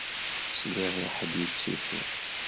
Sliɣ i ḥedd yettusu.